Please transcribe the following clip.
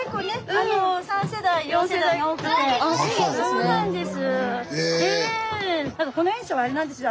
そうなんです。